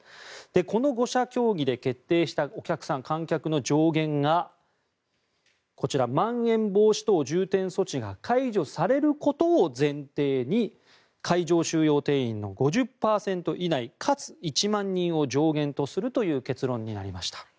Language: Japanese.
この５者協議で決定したお客さん、観客の上限がこちら、まん延防止等重点措置が解除されることを前提に会場収容定員の５０％以内かつ１万人を上限とするという結論になりました。